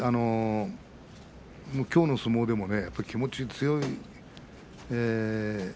きょうの相撲でも気持ちが強い。